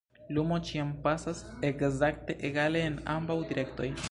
Lumo ĉiam pasas ekzakte egale en ambaŭ direktoj.